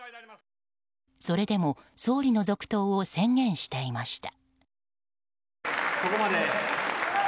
それでも総理の続投を宣言していました。